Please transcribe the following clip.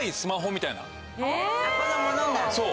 そう。